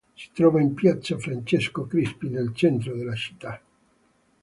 Si trova in "Piazza Francesco Crispi", nel centro della città.